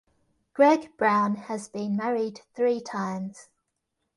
Greg Brown has been married three times.